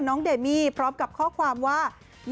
เดมี่พร้อมกับข้อความว่า